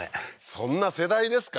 そんな世代ですか？